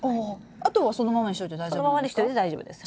あとはそのままにしといて大丈夫なんですか？